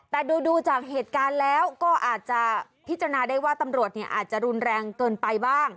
แต่ดูจากเหตุการณ์แล้วก็อาจจะพิจารณาได้ว่าตำรวจอาจจะรุนแรงเกินไปบ้าง